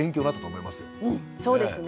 うんそうですね。